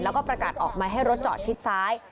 แล้วก็ประกาศออกมาให้รถจอดชิดซ้าย